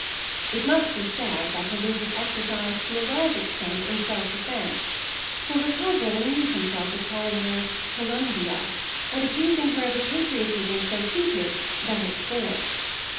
It must be said that her wit was exercised to a large extent in self defence, for her cousin amused himself with calling her "Columbia" and accusing her of a patriotism so heated that it scorched.